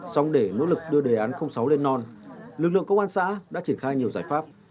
xong để nỗ lực đưa đề án sáu lên non lực lượng công an xã đã triển khai nhiều giải pháp